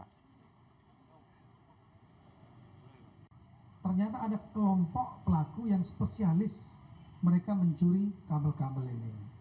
ternyata ada kelompok pelaku yang spesialis mereka mencuri kabel kabel ini